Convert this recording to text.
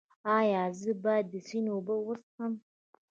ایا زه باید د سیند اوبه وڅښم؟